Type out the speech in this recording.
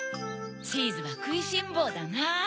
チーズはくいしんぼうだな。